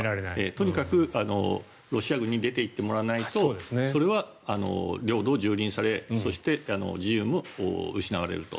とにかく、ロシア軍に出ていってもらわないとそれは領土を蹂躙されそして、自由も失われると。